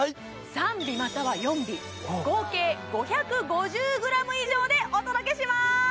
３尾または４尾合計５５０ｇ以上でお届けします